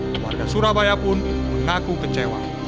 keluarga surabaya pun mengaku kecewa